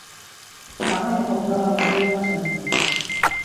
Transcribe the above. Dagoeneko proba guztiak pasa ditu.